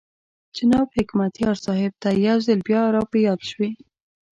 جناب حکمتیار صاحب ته یو ځل بیا را په یاد شوې.